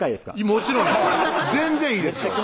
もちろん全然いいですよ